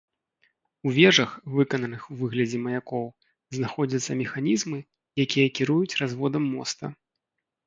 У вежах, выкананых у выглядзе маякоў, знаходзяцца механізмы, якія кіруюць разводам моста.